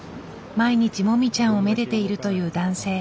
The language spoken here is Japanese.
毎日もみちゃんをめでているという男性。